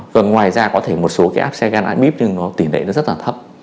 rồi ngoài ra có thể một số cái áp xe gan amip nhưng nó tỉ lệ nó rất là thấp